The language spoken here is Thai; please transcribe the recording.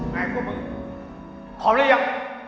ไงพวกมึงพร้อมแล้วยัง